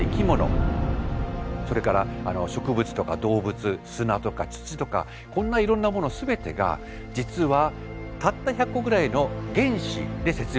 それから植物とか動物砂とか土とかこんないろんなものすべてが実はたった１００個ぐらいの原子で説明できるわけです。